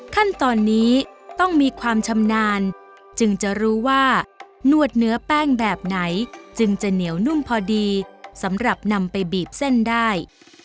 ขั้นตอนนี้ต้องมีความชำนาญจึงจะรู้ว่านวดเนื้อแป้งแบบไหนจึงจะเหนียวนุ่มพอดีสำหรับนำไปบีบเส้นได้